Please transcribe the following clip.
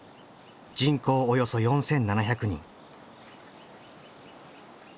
人口およそ４，７００人。